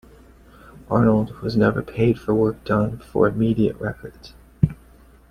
Arnold, was never paid for work done for Immediate Records.